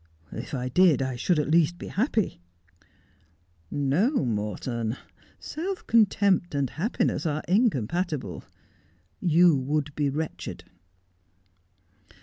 ' If I did I should at least be happy.' ' 'No, Morton ; self contempt and happiness are incompatible. You would be wretched.'